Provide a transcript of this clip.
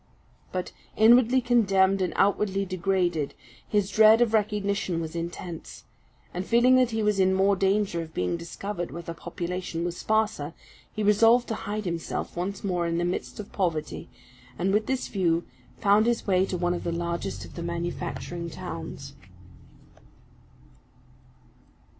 But, inwardly condemned and outwardly degraded, his dread of recognition was intense; and feeling that he was in more danger of being discovered where the population was sparser, he resolved to hide himself once more in the midst of poverty; and, with this view, found his way to one of the largest of the manufacturing towns.